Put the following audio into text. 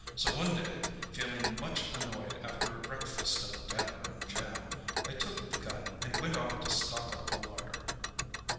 So one day, feeling much annoyed after a breakfast of damper and jam, I took the gun and went off to stock up the larder.